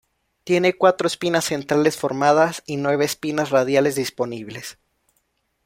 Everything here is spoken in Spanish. Tiene cuatro espinas centrales formadas y nueve espinas radiales disponibles.